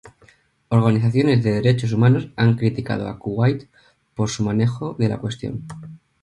Organizaciones de derechos humanos han criticado a Kuwait por su manejo de la cuestión.